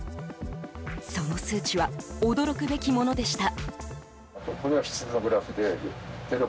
その数値は驚くべきものでした。